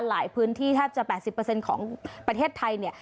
หลายพื้นที่แทบจะ๘๐ของประเทศไทยเนี่ย